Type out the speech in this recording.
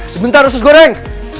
sebentar usus goreng